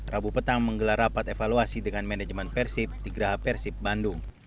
rabu petang menggelar rapat evaluasi dengan manajemen persib di geraha persib bandung